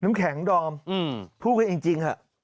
น้ำแข็งดอมพูดกันจริง